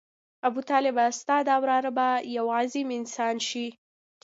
ابوطالبه ستا دا وراره به یو عظیم انسان شي.